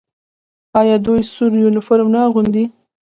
آیا دوی سور یونیفورم نه اغوندي؟